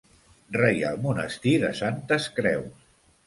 Reial Monestir de Santes Creus.